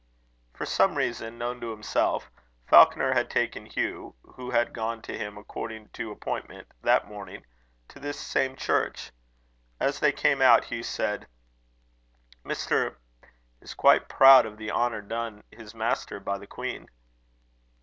For some reason, known to himself, Falconer had taken Hugh, who had gone to him according to appointment that morning, to this same church. As they came out, Hugh said: "Mr. is quite proud of the honour done his master by the queen."